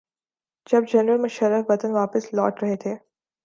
جب جنرل مشرف وطن واپس لوٹ رہے تھے۔